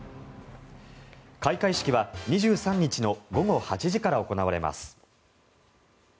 開会式は２３日の午後８時から行われます。